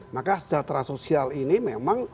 maka kesejahteraan sosial ini memang